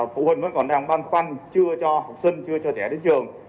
phụ huynh vẫn còn đang ban khoanh chưa cho học sinh chưa cho trẻ đến trường